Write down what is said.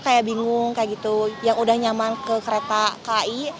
kayak bingung kayak gitu yang udah nyaman ke kereta ki